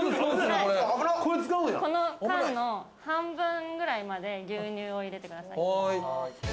この缶の半分くらいまで牛乳を入れてください。